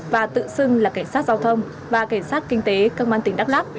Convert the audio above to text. và tự xưng là cảnh sát giao thông và cảnh sát kinh tế công an tỉnh đắk lắc